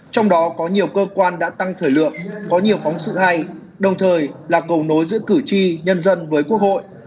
trong đó có nhiều cơ quan đã tăng thời lượng có nhiều phóng sự hay đồng thời là cầu nối giữa cử tri nhân dân với quốc hội